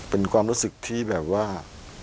เป็นความรู้สึกที่แบบว่า